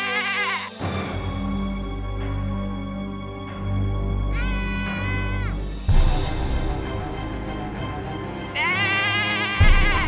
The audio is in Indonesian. aku mengerti sekarang